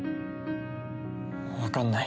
わかんない。